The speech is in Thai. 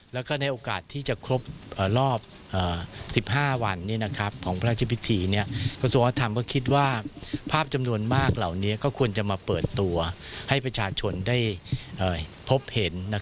แล้วก็ในโอกาสที่จะครบรอบ๑๕วันของพระราชพิธีกระทรวงวัฒนธรรมก็คิดว่าภาพจำนวนมากเหล่านี้ก็ควรจะมาเปิดตัวให้ประชาชนได้พบเห็น